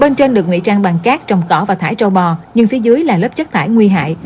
bên trên được nguy trang bằng cát trồng cỏ và thải trâu bò nhưng phía dưới là lớp chất thải nguy hại